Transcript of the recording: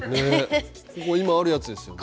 ここ今あるやつですよね。